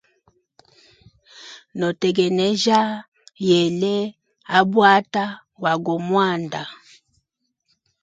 No tegnejya yele a bwata bwa go mwanda.